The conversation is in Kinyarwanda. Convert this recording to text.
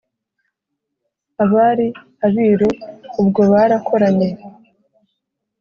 abari abiru ubwo barakoranye